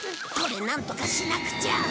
これなんとかしなくちゃ。